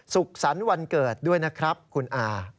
สุขสรรค์วันเกิดด้วยนะครับคุณอา